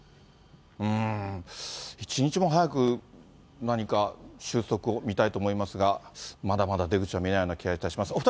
一日も早く、何か収束を見たいと思いますが、まだまだ出口は見えないような気がいたします。